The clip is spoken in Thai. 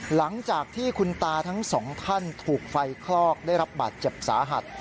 หลังจากที่คุณตาทั้งสองท่านถูกไฟคลอกได้รับบาดเจ็บสาหัส